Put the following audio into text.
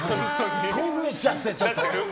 興奮しちゃって、ちょっと。